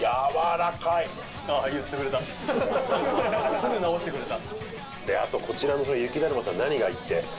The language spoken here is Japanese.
すぐ直してくれた。